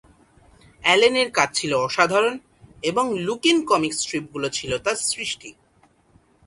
অ্যালেনের কাজ ছিল অসাধারণ, এবং লুক-ইন কমিক স্ট্রিপগুলো ছিল তার সৃষ্টি।